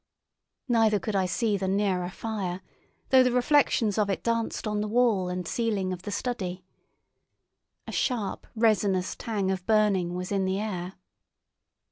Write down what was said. Neither could I see the nearer fire, though the reflections of it danced on the wall and ceiling of the study. A sharp, resinous tang of burning was in the air.